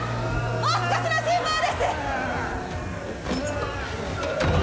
もう少しの辛抱です！